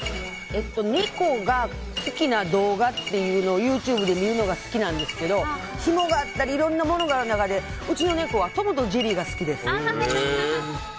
猫が好きな動画っていうのをＹｏｕＴｕｂｅで見るのが好きなんですけどひもがあったりいろいろなものがある中でうちの猫は「トムとジェリー」が好きです。